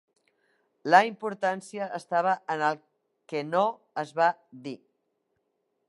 La importància estava en el que "no" es va dir.